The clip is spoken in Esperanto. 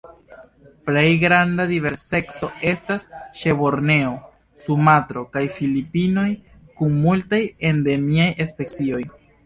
Plej granda diverseco estas ĉe Borneo, Sumatro, kaj Filipinoj, kun multaj endemiaj specioj.